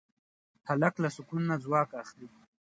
هلک له سکون نه ځواک اخلي.